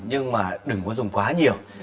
nhưng mà đừng có dùng quá nhiều